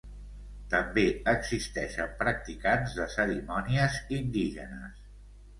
També existeixen practicants de cerimònies indígenes.